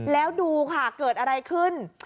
แล้วดูเขาก็จะเกิดอะไรขึ้น